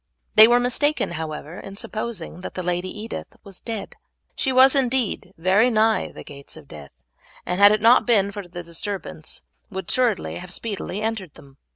They were mistaken, however, in supposing that the Lady Edith was dead. She was indeed very nigh the gates of death, and had it not been for the disturbance would assuredly have speedily entered them.